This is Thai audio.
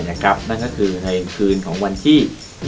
นั่นก็คือในคืนของวันที่